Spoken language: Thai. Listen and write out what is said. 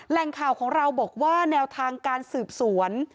แหล่งข่าวของเราบอกว่าแนวทางการสืบสวน